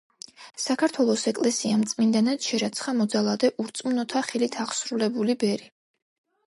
საქართველოს ეკლესიამ წმინდანად შერაცხა მოძალადე ურწმუნოთა ხელით აღსრულებული ბერი.